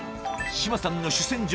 志麻さんの主戦場